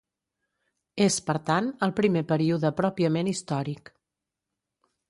És, per tant, el primer període pròpiament històric.